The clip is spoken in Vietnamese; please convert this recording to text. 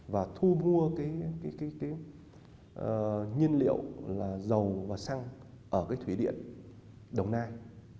và thu mua nhiên liệu là dầu và xăng ở thủy điện đồng nai